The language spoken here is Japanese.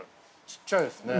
◆ちっちゃいですね。